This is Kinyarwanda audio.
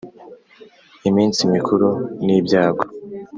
iminsi mikuru n‘ibyago